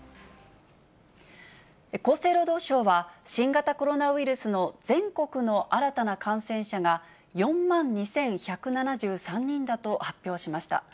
厚生労働省は、新型コロナウイルスの全国の新たな感染者が、４万２１７３人だと発表しました。